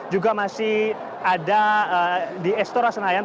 juga masih ada di estora senayan